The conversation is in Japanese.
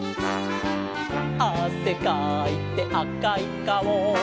「あせかいてあかいかお」